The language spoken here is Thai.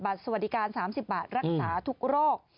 สวัสดิการ๓๐บาทรักษาทุกโรค